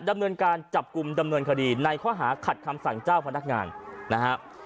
ดำเนินการจับกลุ่มดำเนินคดีในข้อหาขัดคำสั่งเจ้าพนักงานนะฮะ